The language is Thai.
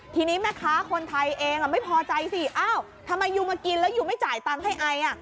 ทีนี้แม่ค้าคนไทยเองไม่พอใจสิอ้าวทำไมยูมากินแล้วยูไม่จ่ายตังค์ให้ไอ